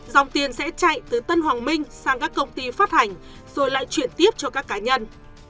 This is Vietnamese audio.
dòng tiền sẽ chạy từ tân hoàng minh sang các công ty phát hành rồi lại chuyển tiếp cho các cá nhân